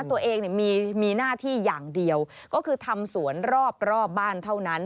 ตัวเองมีหน้าที่อย่างเดียวก็คือทำสวนรอบบ้านเท่านั้น